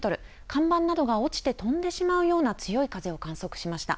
看板などが落ちて飛んでしまうような強い風を観測しました。